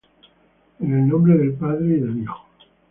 En el nombre del Padre, y del Hijo,